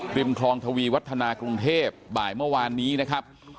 ริมคลองทวีวัฒนากรุงเทพบ่ายเมื่อวานนี้นะครับ